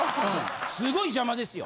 すごい邪魔ですよ。